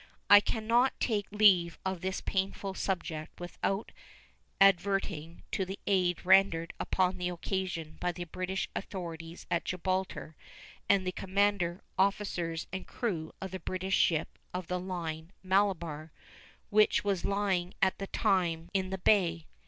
I can not take leave of this painful subject without adverting to the aid rendered upon the occasion by the British authorities at Gibraltar and the commander, officers, and crew of the British ship of the line the Malabar, which was lying at the time in the bay.